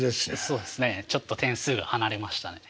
そうですねちょっと点数離れましたね。